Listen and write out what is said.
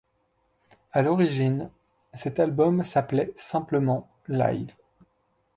À l'origine cet album s'appelait simplement Live.